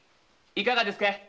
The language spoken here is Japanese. いかがですかい？